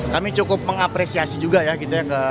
kami cukup mengapresiasi juga ya gitu ya